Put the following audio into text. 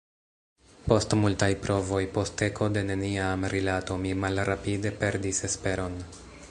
Post multaj provoj, post eko de nenia amrilato, mi malrapide perdis esperon.